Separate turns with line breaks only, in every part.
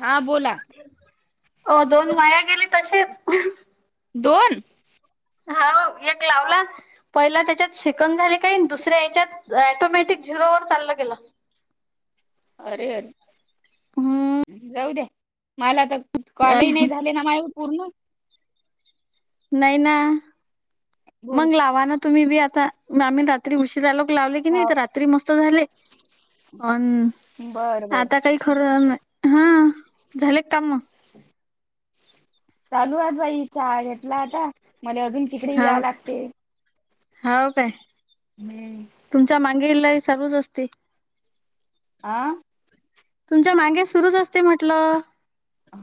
हा बोला
अ दोन वया गेली तसेच
दोन
हा एक लावला पहिला त्याच्यात सेिकन झाले काही दुसऱ्या याच्यात ऑटोमॅटिक झिरोवरर चाललं गेलं
अरे
हम्म,
अरे जाऊ द्या मला तर कॉलही नाही झाले ना मा पूर्ण
नाही ना
बोल
मग लावा ना तुम्ही बी आता आम्ही [inaudible] उशीरालोक लावले की नाही
हा
तर रात्री मस्त झाले अ
बर बर
आता काही [inaudible] झाले का काम मग?
चालू आज भाई चहा घेतला आता मला अजून तिकडे या लागते
हो काय?
हम्म.
तुमचा [inaudible] असते.
आ
तुमच्या मागे सुरूच असते म्हटलं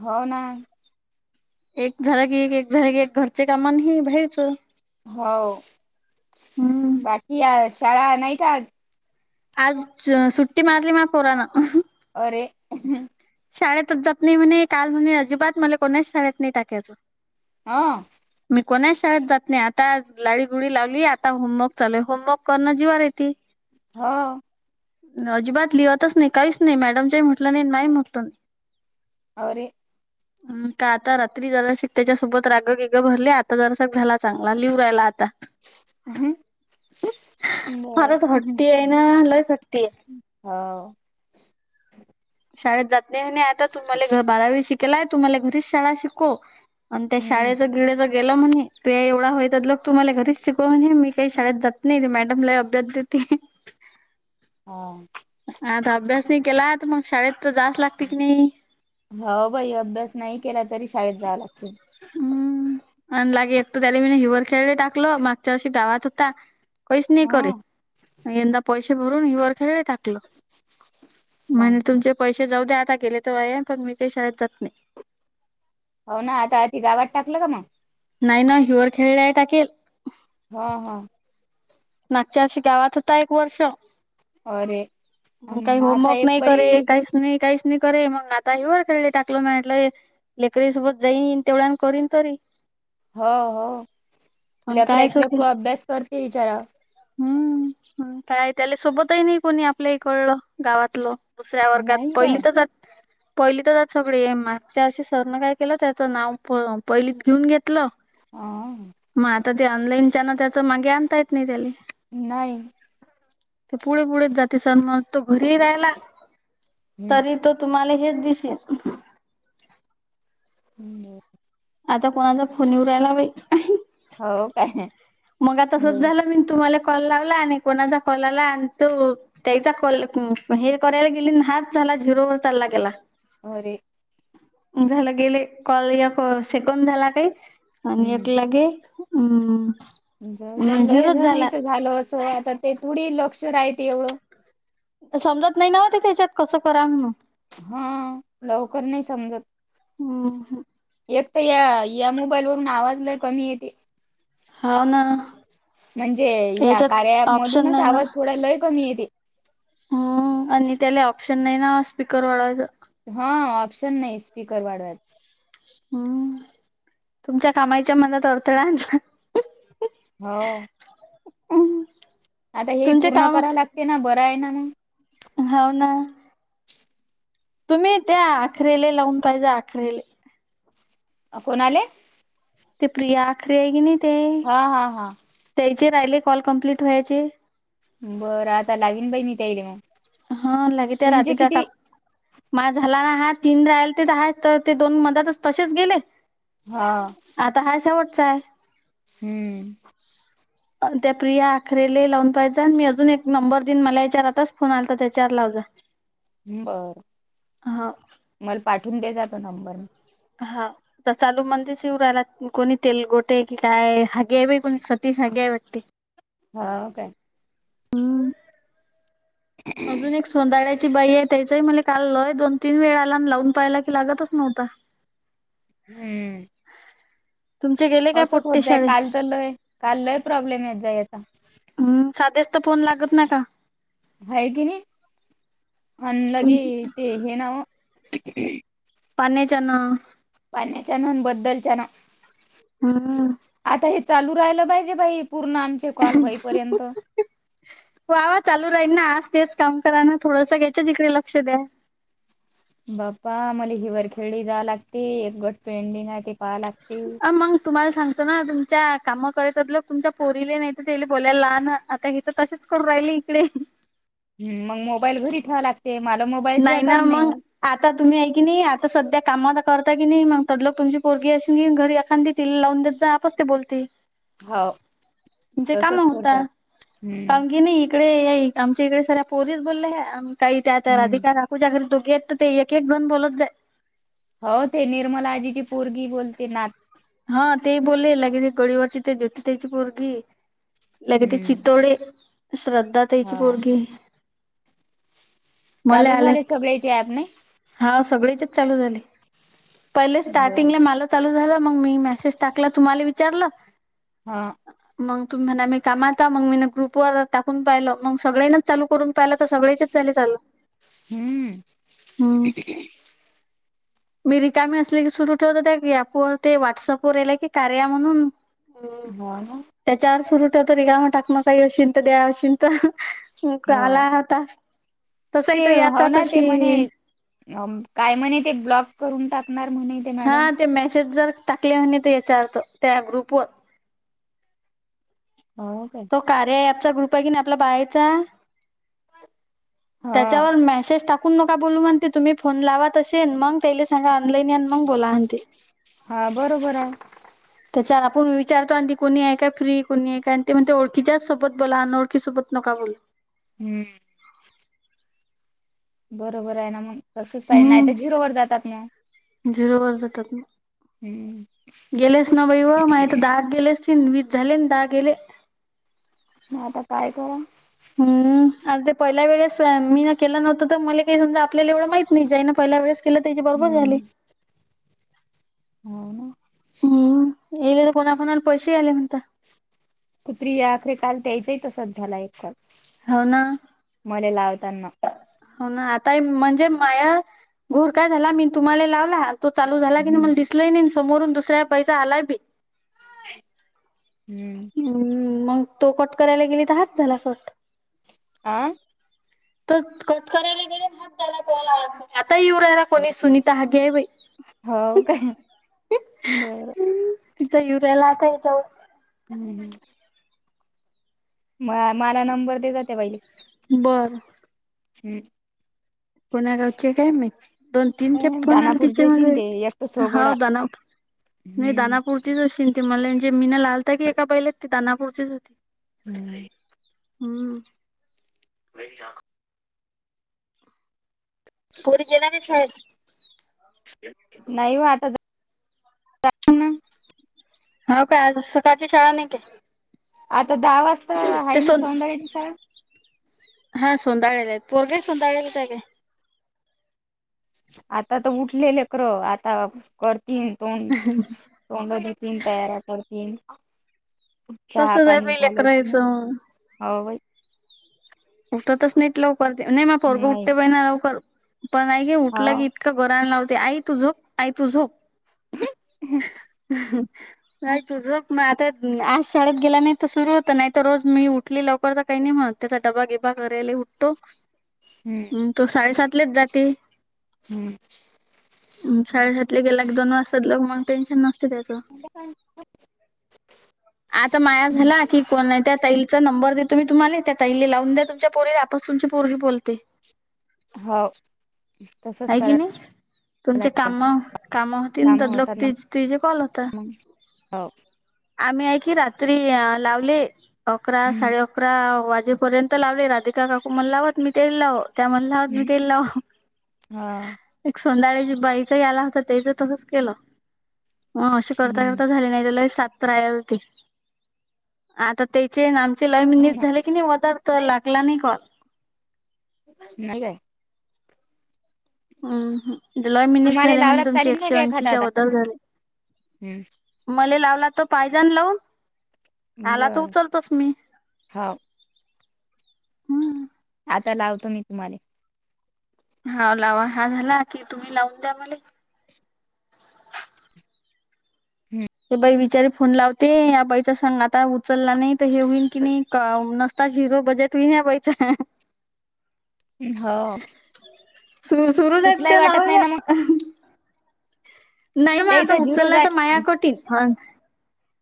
हो ना.
एक झालं की एक एक झालं की एक घरचे कामा हे बाहेरच
हो
हम्म.
बाकी या शाळा नाही का
आज सुट्टी मारली माया पोरानं.
अरे.
शाळेतच जात नाही म्हणे काल म्हणे अजिबात मला कोणाच शाळेत नाही टाकायचं
हा
मी कोणाच शाळेत जात नाही आता लााडी गुडी लावली आता होमवर्क चालूय होमवर्क करणं जीवार येते.
हा
अजिबात लिहातच नाही काहीच नाही मॅडमच्याही म्हटलं नाही माही म्हटलं नाही.
अरे
हम् का आता रात्री जरा त्याच्यासोबत राग गिगं भरले आता जरासक झाला चांगला लिव राहिला आता
बर
फार शट्ट आहेई ना लय शक्ती आहे.
हा
शाळेत जात नाही नाही आता तुम्हाला घ बारावी शिकेलाय तुम्हाला घरीच शाळा शिको. आणि त्या
हम्म
शाळेचं गिडेचं गेलं म्हणे ते एवढा होयत ल. तुमला घरीच शिकवून मी काही शाळेत जात नाही मॅडमला अभ्यास देते.
हा
आता अभ्यास नाही केला तर मग शाळेत तर जास् लागते की नाही.
हो भाई अभ्यास नाही केला तरी शाळेत जावं लागत.
हम्म आणि लागे एक तर त्याला मी हिवर खेळली टाकल मागच्या वर्षी गावात होता. काहीच नाही
ह
करे यंदा पैसे भरून हिवरर खेळला टाकलं.
सांग
म्हणज तुमचे पैसे जाऊ द्या आता गेले तर आहे पण मी काही शाळेत जात नाही.
हो ना आता ती गावात टाकलं का मग
नाही ना हिुअर खेळला आहे टके.
हा हा
नागच्याशी गावात होता एक वर्ष
अरे
काही
अन् आता
होमवर्क
एक
नाही
परी
करे काही. नाही काहीच नाही करे मग आता हे वर खेळले टाकलं नाहीटय. लेकरीसोबत जाईनन तेवढ्या करीन तरी
हो हो
पण
ललेकडा
कायच होते
इतल्याकू अभ्यास करते विचारा
हम्म काय त्याला सोबतही नाही कोणी आपल्या इकडलं गावातलं. दुसऱ्या वर्गात
नाही काय
पहिली तरच. पहिली तरच आ सगळे ए मागच्या अशी सरनं काय केलं त्याचं नाव पहिलीत घेऊन घेतलं.
हा
मग आता ते ऑनलाईन त्या ना त्याच मागे आणता येत नाही त्याला
नाही.
ते पुढे पुढेच जाते सर मग तो घरी राहिला
हम्म,
तरी तो तुम्हाला हेच दिसेल.
हांब
आता कोणाचा फोन येऊ रायला बाई
हो काय
मग आ तसच
बर
झालं मी तुम्हाला कॉल लावला आणि कोणाचा कॉल आला आणि तो त्याचा क हे करायला गेली हच झाला झिरोवरर चालला गेला.
होरे
झालं गेले कॉल सेकून झाला काही आणि एकलागे. हम
जलोय ज मात झाल असं आता ते थोडी लक्ष राहते एवढं.
समजत नाही ना म ते त्याच्यात कसं करा मग
हा लवकर नाही समजत
हम्म
एक तर या या मोबाईल वरून आवाजला कमी येते.
हाव ना
म्हणजे ह्या
याच्यात
कार्याप
ऑप्शन
मधूनच
नाही
आवाज थोड लय कमी येते.
हो आणि त्याला ऑप्शन नाही ना स्पीकर वाढवायचं.
हा ऑप्शन नाही स्पीकर वाढवायच.
हम्म तुमच्या कामायच्या मनात अडथळाल ना
हो
हम
आता हे पूर्ण करा लागते ना बरं आहे ना मग.
होव ना. तुम्ही त्या आखरेले लावून पाहिजे आखरेले.
कोणाले?
ते प्रिया आखरी आहे की नाही ते?
हा हा हा
त्याचे राहिले कॉल कम्प्लीट व्हायचे.
बरं आता लावीन बई मी त्यायले.
हा लागे त्या राधिका का. माझ झाला ना हा तीन राहिल ते हा तर ते दोन मधातच तसेच गेले.
हा.
आता हा शेवटचा आहे.
हम्म.
त्या प्रिया आखरेले लावून पाहियज मी अजून एक नंबर देईन मला याच्यावर आता फोन आल तर त्याच्यावर लाव जा.
बर मला पाठवून त्याचा नंबर.
हा. आता चालू मध्येच येऊ राहीला कोणी तेलगोटे की काय हागे आहे बाई कोणी सतीश हागे आहे वाटते.
हा काय?
हम्म अजून एक सौंदाल्याची बाई आहे त्याचाही मला काल लय दोन तीन वेळा आला अन् लावून पायला की लागतच नव्हता. [unintelligible]
हम्म.
तुमचे गेले? काय
असच होत
पोट्टे
जाय
शाळे
काल तर लय काल लय प्रॉब्लेम येत जाई याचा.
हम् साध्याच तर फोन लागत ना का?
आहे की नाही अन् लंगे
तुमच
ते हे नाव
पाण्या च्यान.
पाण्याच्या नून बद्दलच्या ना.
हम.
आता हे चालू राहिलं पाहिजे बाई पूर्ण आमचे कॉल होईपर्यंत.
वा वा चालू राहील ना आज तेच काम करा ना थोडं घ्यायच्याच इिकडे लक्ष द्या.
बाप्पा आमला हिवरखेळली जा लागते एक गट पेंडिंग आहे ते पहा लागते.
अ मग तुम्हाला सांगतो ना तुमच्या काम करत लोक तुमच्या पोरीले नाही तर तेले बोलायला लहान. आता हित तसेच करून राहिल इकडे.
ह मग मोबाईल घरी ठेवा लागत मला मोबाई
नाही ना मग. आता तुम्ही आहे की नाही आता सध्या कामात करता की नाही मंग तद लोक तुमची पोरगी असली घरी एखांदी. तिल लावून देत जा आपस ते बोलते.
हो
तुमचे काम
तसच
होता,
करतात हम्म
काऊन की नाही. इकडे आमच्या इकडे साऱ्या पोरीच बोलल्या ह्या अन् काही त्या तर अधिक
हम्म
राखूच्या घरी दोघेेयेत तर ते एक एक जन बोलत जाय.
हो ते निर्मल आजीची पोरगी बोलते नात.
ह ते बोले लागे ते गळीवरची ते ज्योती त्याची पोरगी. लगे ते
हम्म
चित्तोडे श्रद्धा त्याची
हा
पोरगी. मले
चालू
आलं,
झाले सगळ्याचे ऍप
हा सगळ्याचेच चालू झाले. पहिले
नाही बरं
स्टार्टिंगला मला चालू झालं मग मी मेसेज टाकला तुम्हाला विचारलं.
हा.
मंग तुम्ही म्हणा मी कामत आ मंग मी ग्रुपवर टाकून पाहिलं मग सगळ्यांन चालू करून पाहिलं तर सगळ्याचच झाल चाल.
हम्म
मी रिकामी असली की सुरू ठेवत होत्या की ऍपवर ते व्हॉट्सअप वर येल की कार्या म्हणून. हम्म
हो ना
[unintelligible] का मग टाक म काही अशीन तर द्या अशीन तर. मोकळा
हो
आलाय हा टास्क.
ते होन ते म्हणे अ काय म्हणे ते ब्लॉक करून टाकणार म्हणेते मॅडम
हा ते मेसेज जर टाकले आहे म्हणे ते त्याचा अर्थ त्या ग्रुप वर.
हाव काय.
तो कार्या ऍपचा ग्रुप आहे की नाय आपला बायाचा.
हा
त्याच्यावर मेसेज टाक नका बोलू म्हणते तुम्ही फोन लावा तसे मंग त्यायले सांगा ऑनलान या अन मंग बोला म्हणते.
हा बरोबर आय.
त्याच्यावर आपण विचारतो आणि ती कोणी आहे काय फ्री, कोणी आहे काय आणि ते म्हणते ओळखीच्याच सोबत बोला अनोळखी सोबत नका बोलु.
हम्म. बरोबर आहे ना मग असच पाहिजे नाही तर
हम्म
झिरो वर जातात मग.
झिरोवर जातात मग.
हम्म
गेलेस ना बाई व माये तर दहा गेले असतीन वीस झाले अन दहा गेले.
म आता काय करा?
हम्म आणि ते पहिल्या वेळेस मीन केलं नव्हतं तर मले समजा आपल्याला एवढं माहत नाही जाईन पहिल्या वेळेस केलं त्याची बरोबर
हम्म
झाले.
हम्म, हम्म.
हम्म येले तर कोणा, कोणाला पैसे आले म्हणता.
सुप्रिया आलती काल त्यायचाही तसाच झालाति एक काॅल.
हाव ना.
मले लावतांना.
हो ना आताय म्हणजे माया घोर काय झाला मी तुम्हाले लावला तो चालू झाला की
हम्म
नाय मले दिसलंय नाय अन समोरून दुसऱ्या बाईचा आलाय बी.
हम्म.
हम्म मंग तो कट करायला गेली तर हाच झाला कट.
आं..
इनऑडिबल [unintelligible] तो कट करायला गेले हाच झाला कॉल आताय येऊ राहिला बाई कोणी सुनीता हागे आहे बाई.
हव काय. बरं.
तिचा येऊरायला आता याच्यावर.
हम्म, हम्म. म मला नंबर देजा त्या बाईले.
बरं.
हम्म.
कोण्या गावची आहे काय माहित? दोन, तीन खेप
हम्म
फोन आले तिचा
दानापूरचे अशीन
मले
ते एक तर
हाव
सोगोडा
दानाप म,
हम्म
दानापूर. तिचं आशीन ती मला म्हणजे मीन लालता की एका बाईले ती दानापूरचीच होती.
हम्म.
हम्म.
वशा [unintelligible]
पोरी देणारेच मायेत.
नाही हो आता जाऊ ना
हाव काय आज सकाळची शाळा नाही काय?
आता दहा वाजता आहे
ते
ना
सोन
सौंदर्यची शाळा.
हा सुंदाळ्याला, पोरग ही सुंदाळ्यालाच आहे काय?
आता तर उठले लेकर आता करतील तोंड तोंड धुतीन तयारा करतील चहा
तसंच आहे
पाणी
बाई
झालंय कि नाय
लेकरायचं
हव बाई.
उठतच नाहीत लवकर नाही मग फोरगं
नाही
उठते पहि ना लवकर पण नाही के
हो
उठलं की इतका गोरने लावते आई तू झोप आई तू झोप आई तू झोप आता आज शाळेत गेल्या नाही तर सुरू होत नाही तर रोज मी उठली लवकर तर काही नाही म्हणत. डबा गेबा करायले उठतो.
हम्म
हम् तो साडे सातलेच जाते.
हम्म.
साडे सातले गेला क दोन वाजतात ल मग टेन्शन नसते त्याच.
[unintelligible]
आता माया झाला की कोण त्या तैलचा नंबर देतो मी तुम्हाला त्या पहिले लावून द्या तुमच्या पोरीला आताच तुमची पोरगी पळते.
हो तसच
आहे की
करा
नाही तुमचे काम काम
काम
त लोक
होतात ना
ति त जे कॉल होता
मग हो
आम्ही की रात्री लावले अकरा
हम्म
साडे अकरा वाज जो पर्यंत लावले राधिका काकू मण लावत मी ते लावत. त्या म्हणलात मी
हम्म
तेल लाव
हा
एक सो [unintelligible] बाईच आला होता त्याचं तसच केलं. ह असे करता
हम्म.
करता झाले नाही त लय साप करायला होते आता त्याचे नाम ला
हो
मिनिट
ना.
झाले की नाही वदार तर लागला नाही कॉल
ह
हम् लय मिनिट
तुम्हाला
झाले म्हणजे
लावलात
तुमचे
चालील नाही
एकशे
का एखादा
ऐंशीच्या
आता
[inaudible] झाले.
हम्म
मला लावला तर पाहिजे ना लावून आला तर
बर
उचलतोस मी.
हो
हम्
आता लावतो मी तुम्हाले.
ह लावा हा झाला की तुम्ही लावून द्या मले. ते बाई बिचारीे फोन लावते या बाईचा संग आता उचलला नाही तर हे होईन की नाही. का नसता झिरो बजेट होइल या बाईचा.
हम्म हो
सु सुरूचयच
उचलाय वाटत नाही
लावून
ना मग
[unintelligible] नाही मग आता
त्याचा झिरो
उचललाय
जाय
तर माया कटीत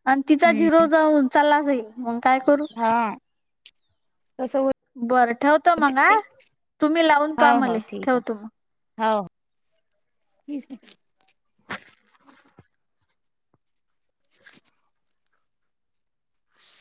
आणि तिचा झिरो
हम्म
जाऊन चला जाईल मग काय करू
हा तसं हो
बरं ठेवत मग आ तुम्ही लावून
हो
पा
हो
मले
ठीक आहे
ठेवतो मग.
हो आहे [unintelligible]